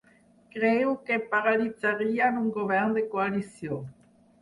Creu que "paralitzarien un govern de coalició".